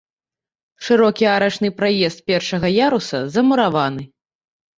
Шырокі арачны праезд першага яруса замураваны.